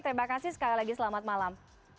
terima kasih sekali lagi selamat malam